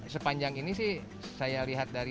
sepanjang ini sih